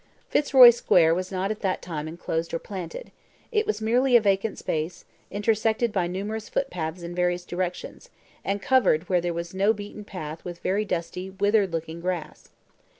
Fitzroy Square was not at that time enclosed or planted. It was merely a vacant space, intersected by numerous footpaths in various directions, and covered where there was no beaten path with very dusty withered looking grass.